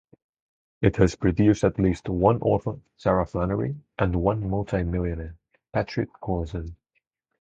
It has produced at least one author, Sarah Flannery, and one multi-millionaire, Patrick Collison.